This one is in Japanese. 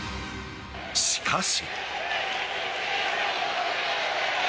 しかし。